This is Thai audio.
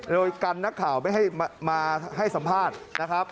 โดยกันนักข่าวมาให้สัมภาษณ์